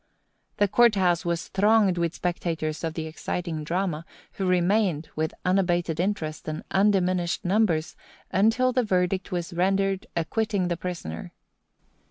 The court house was thronged with spectators of the exciting drama, who remained, with unabated interest and undiminished numbers, until the verdict was rendered acquitting the prisoner.